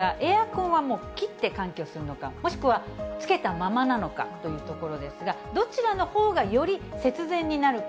そこで、この窓を開けて換気をするときですが、エアコンはもう切って換気をするのか、もしくはつけたままなのかというところですが、どちらのほうがより節電になるか。